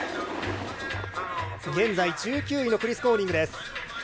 現在１９位のクリス・コーニング。